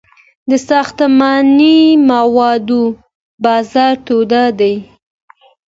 د ساختماني موادو بازار تود دی